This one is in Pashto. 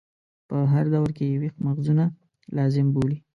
په هر دور کې یې ویښ مغزونه لازم بولي.